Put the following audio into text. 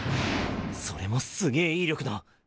それもすげぇ威力の。